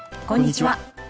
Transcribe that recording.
こんにちは。